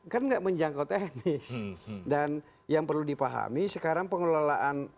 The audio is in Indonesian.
kan enggak menjangkau teknis dan yang perlu dipahami sekarang pengelolaan